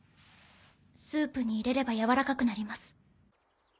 スープに入れれば軟らかくなります。